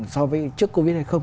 so với trước covid hay không